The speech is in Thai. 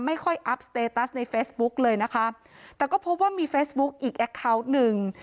ไม่ค่อยอัพสเตตัสในเฟซบุ๊กเลยนะคะแต่ก็พบว่ามีเฟซบุ๊กอีกแอคเคาน์หนึ่ง